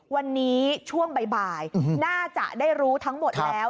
วันนี้ช่วงบ่ายน่าจะได้รู้ทั้งหมดแล้ว